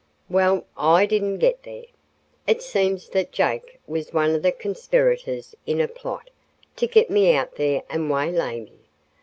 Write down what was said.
Well, I didn't get there. It seems that Jake was one of the conspirators in a plot to get me out there and waylay me.